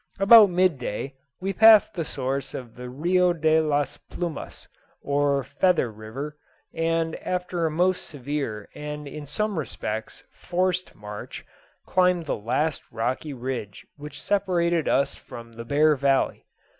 About mid day we passed the source of the Rio de las Plumas, or Feather River, and after a most severe and in some respects forced march climbed the last rocky ridge which separated us from the Bear Valley.